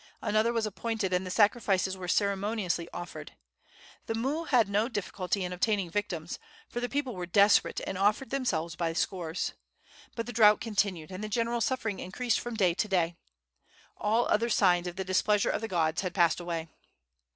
Another was appointed, and the sacrifices were ceremoniously offered. The mu had no difficulty in obtaining victims, for the people were desperate and offered themselves by scores. But the drought continued, and the general suffering increased from day to day. All other signs of the displeasure of the gods had passed away.